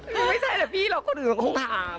ไม่ใช่แต่พี่แล้วคนอื่นคงถาม